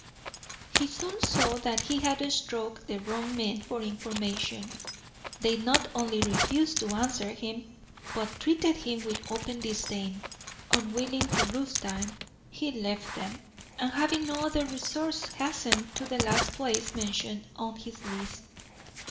He soon saw that he had struck the wrong men for information. They not only refused to answer him, but treated him with open disdain. Unwilling to lose time, he left them, and having no other resource, hastened to the last place mentioned on his list.